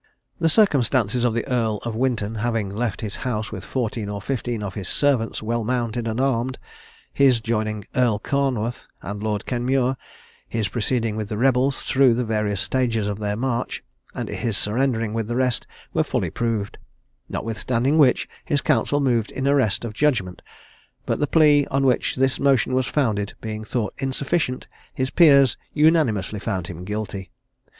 The circumstances of the Earl of Winton having left his house with fourteen or fifteen of his servants well mounted and armed, his joining the Earl Carnwarth and Lord Kenmure, his proceeding with the rebels through the various stages of their march, and his surrendering with the rest, were fully proved: notwithstanding which, his counsel moved in arrest of judgment; but the plea on which this motion was founded being thought insufficient, his peers unanimously found him guilty.